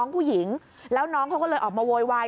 ผู้หญิงแล้วน้องเขาก็เลยออกมาโวยวาย